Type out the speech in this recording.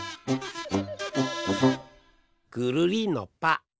ぐるりんのぱ。